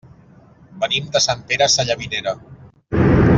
Venim de Sant Pere Sallavinera.